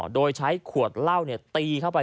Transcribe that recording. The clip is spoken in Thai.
โดยใช้ขวดเหล้าตีเข้าไป